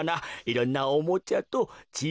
いろんなおもちゃとちぃ